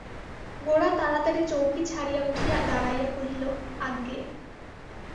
গোরা তাড়াতাড়ি চৌকি ছাড়িয়া উঠিয়া দাঁড়াইয়া কহিল, আজ্ঞে!